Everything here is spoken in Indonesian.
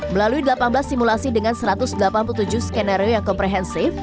melalui delapan belas simulasi dengan satu ratus delapan puluh tujuh skenario yang komprehensif